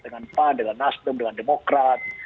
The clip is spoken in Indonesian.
dengan pan dengan nasdem dengan demokrat